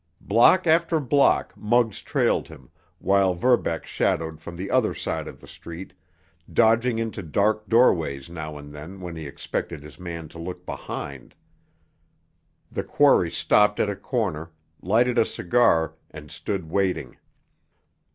Block after block Muggs trailed him, while Verbeck shadowed from the other side of the street, dodging into dark doorways now and then when he expected his man to look behind. The quarry stopped at a corner, lighted a cigar, and stood waiting.